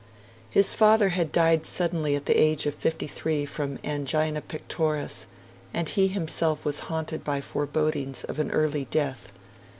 His father had died suddenly at the age of fifty three from angina pectoris; and he himself was haunted by forebodings of an early death.